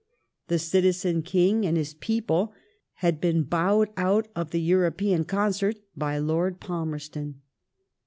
The Citizen King and his people had been bowed out of p"^ the European concert by Lord Palmerston.